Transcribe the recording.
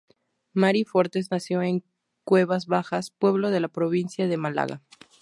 Mari Fortes nació en Cuevas Bajas, pueblo de la provincia de Málaga.